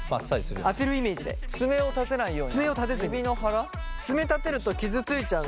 爪を立てないように？